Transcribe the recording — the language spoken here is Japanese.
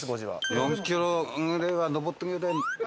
４キロぐらいは上って。